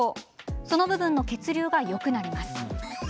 その部分の血流がよくなります。